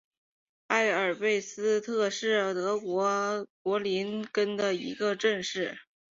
埃贝尔斯特是德国图林根州的一个市镇。